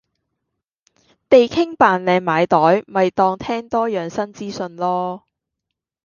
地傾扮靚買袋咪當聽多樣新資訊囉